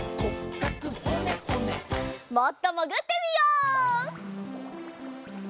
もっともぐってみよう！